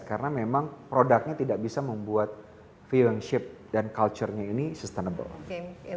karena memang produknya tidak bisa membuat film ship dan culture ini sustainable